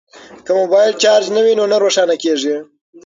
که موبایل چارج نه وي نو نه روښانه کیږي.